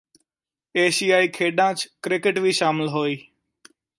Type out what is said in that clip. ਏਸਿ਼ਆਈ ਖੇਡਾਂ ਚ ਕ੍ਰਿਕਟ ਵੀ ਸ਼ਾਮਲ ਹੋਈ